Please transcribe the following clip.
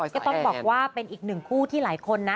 ก็ต้องบอกว่าเป็นอีกหนึ่งคู่ที่หลายคนนะ